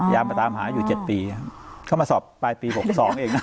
มาตามหาอยู่๗ปีเข้ามาสอบปลายปี๖๒เองนะ